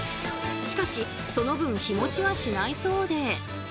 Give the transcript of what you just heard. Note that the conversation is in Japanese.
しかしその分日もちはしないそうで。